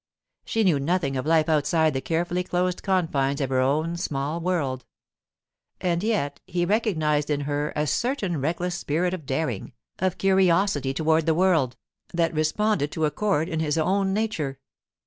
She knew nothing of life outside the carefully closed confines of her own small world. And yet he recognized in her a certain reckless spirit of daring, of curiosity toward the world, that responded to a chord in his own nature.